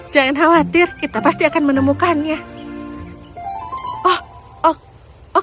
jangan khawatir kita pasti akan menemukannya